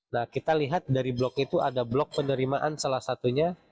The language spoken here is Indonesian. nah kita lihat dari blok itu ada blok penerimaan salah satunya